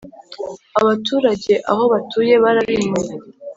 abaturage aho batuye barabimuye